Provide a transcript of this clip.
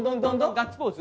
ガッツポーズ。